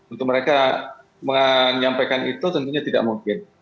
untuk mereka menyampaikan itu tentunya tidak mungkin